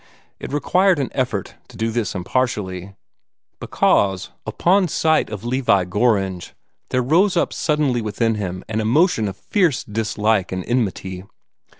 It required an effort to do this impartially, because, upon sight of Levi Gorringe, there rose up suddenly within him an emotion of fierce dislike and enmity.